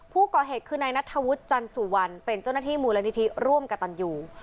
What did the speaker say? ผู้ก่อเหตุคือนายนัทธวุฒิจันสุวรรณเป็นเจ้าหน้าที่มูลนิธิร่วมกับตันยู